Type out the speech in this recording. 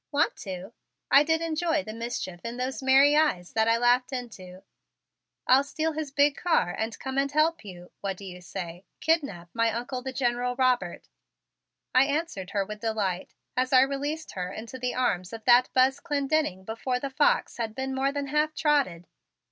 Want to?" I did enjoy the mischief in those merry eyes that I laughed into. "I'll steal his big car and come and help you what do you say? kidnap my Uncle, the General Robert," I answered her with delight as I released her into the arms of that Buzz Clendenning before the fox had been more than half trotted.